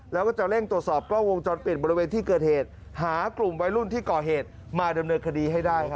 แล้วก็จะเร่งตรวจสอบกล้องวงจรปิดบริเวณที่เกิดเหตุหากลุ่มวัยรุ่นที่ก่อเหตุมาดำเนินคดีให้ได้